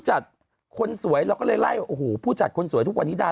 อะไรอยากมา